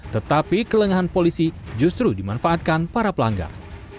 tetapi kelengahan polisi justru dimanfaatkan para pelanggar